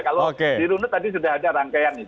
kalau di runut tadi sudah ada rangkaian itu